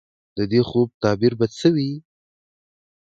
د دې خوب تعبیر به څه وي ؟